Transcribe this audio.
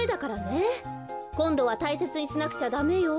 こんどはたいせつにしなくちゃダメよ。